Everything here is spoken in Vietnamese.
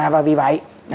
và vì vậy tôi nghĩ là